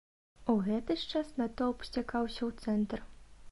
У гэты ж час натоўп сцякаўся ў цэнтр.